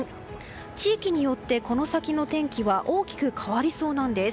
地域によってこの先の天気は大きく変わりそうなんです。